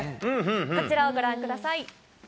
こちらをご覧ください。